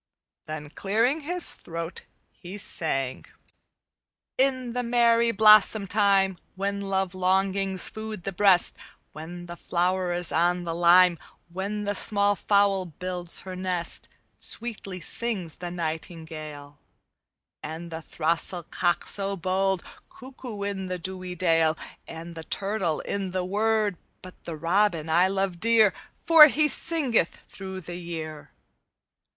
Then, clearing his throat, he sang: "_In the merry blossom time, When love longings food the breast, When the flower is on the lime, When the small fowl builds her nest, Sweetly sings the nightingale And the throstle cock so bold; Cuckoo in the dewy dale And the turtle in the word. But the robin I love dear, For he singeth through the year.